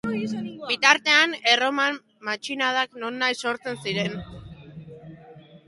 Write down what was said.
Bitartean, Erroman matxinadak nonahi sortzen ziren.